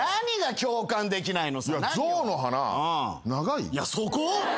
いやそこ？